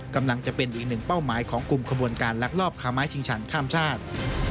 กำลังจะเป็นอีกหนึ่งเป้าหมายของกลุ่มขบวนการลักลอบค้าไม้ชิงชันข้ามชาติ